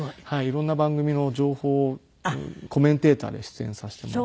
色んな番組の情報をコメンテーターで出演させてもらって。